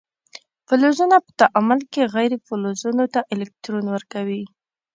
فلزونه په تعامل کې غیر فلزونو ته الکترون ورکوي.